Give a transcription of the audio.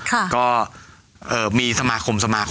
ครับก็จากงานสับปะเหลอโลกสับปะเหลอโลก